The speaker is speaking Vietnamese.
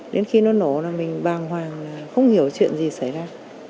đến khi nó nổ là mình bàng hoàng là không hiểu chuyện gì xảy ra